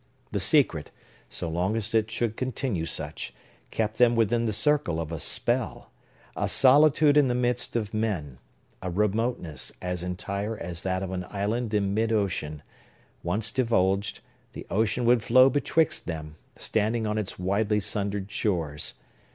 The secret, so long as it should continue such, kept them within the circle of a spell, a solitude in the midst of men, a remoteness as entire as that of an island in mid ocean; once divulged, the ocean would flow betwixt them, standing on its widely sundered shores.